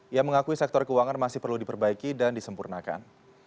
ia mengakui sektor keuangan masih perlu diperbaiki dan disempurnakan